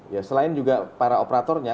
ya selain juga para operatornya